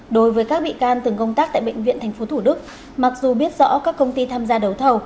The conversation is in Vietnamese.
đối với các bị can từng công tác tại bệnh viện tp thủ đức mặc dù biết rõ các công ty tham gia đấu thầu